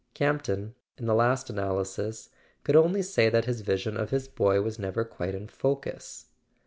Campton, in the last analysis, could only say that his vision of his boy was never quite in focus.